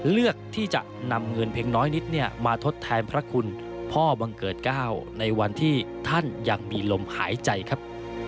เลือกที่จะนำเงินเพียงน้อยนิดมาทดแทนพระคุณพ่อบังเกิด๙ในวันที่ท่านยังมีลมหายใจครับ